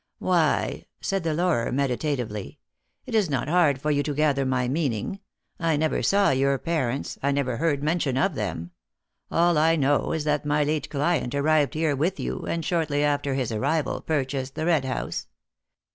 "Why," said the lawyer meditatively, "it is not hard for you to gather my meaning. I never saw your parents I never heard mention of them. All I know is that my late client arrived here with you, and shortly after his arrival purchased the Red House.